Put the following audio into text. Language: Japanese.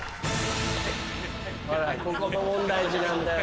ほらここも問題児なんだよ。